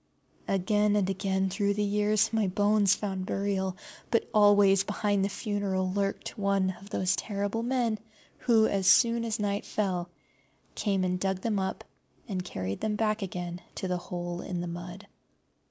Again and again through the years my bones found burial, but always behind the funeral lurked one of those terrible men who, as soon as night fell, came and dug them up and carried them back again to the hole in the mud.